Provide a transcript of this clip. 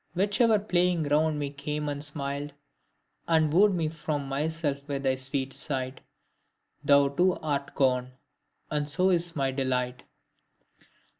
Which ever playing round me came and smiled, And woo'd me from myself with thy sweet sight, Thou too art gone and so is my delight."